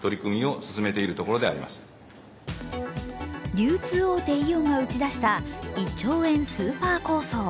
流通大手イオンが打ち出した１兆円スーパー構想。